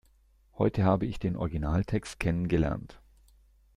Heute habe ich den Originaltext kennengelernt.